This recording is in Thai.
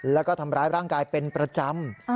แล้วก็ทำร้ายร่างกายเป็นประจำ